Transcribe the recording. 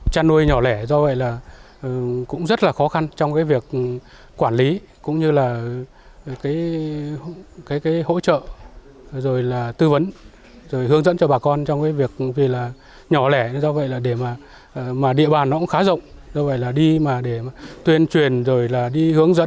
chăn nuôi nhỏ lẻ do vậy là cũng rất là khó khăn trong cái việc quản lý cũng như là cái hỗ trợ rồi là tư vấn rồi hướng dẫn cho bà con trong cái việc vì là nhỏ lẻ do vậy là để mà địa bàn nó cũng khá rộng do vậy là đi mà để tuyên truyền rồi là đi hướng dẫn